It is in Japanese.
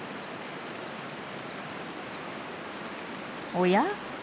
おや？